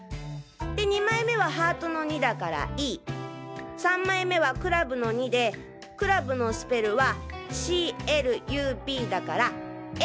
で２枚目はハートの２だから「Ｅ」３枚目はクラブの２でクラブのスペルは「ＣＬＵＢ」だから「Ｌ」！